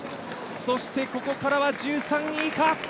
そして、ここからは１３位以下。